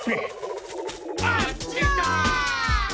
あっちだ！